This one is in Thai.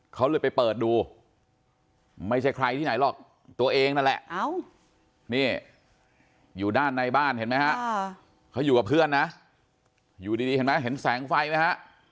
เขาเลยไปเปิดดูไม่ใช่ใครที่ไหนหรอกตัวเองนั่นแหละนี่อยู่ด้านในบ้านเห็นไหมฮะเขาอยู่กับเพื่อนนะอยู่ดีเห็นไหมเห็นแสงไฟไหมฮะ